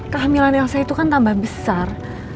kehamilan elsa itu kan tambah besar